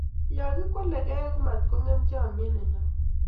ya kikwele gei matko ngem chamiet nenyon